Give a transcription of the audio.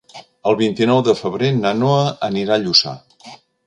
El vint-i-nou de febrer na Noa anirà a Lluçà.